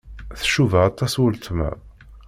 Tcuba aṭas weltma.